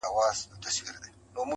جانان ستا وي او په برخه د بل چا سي,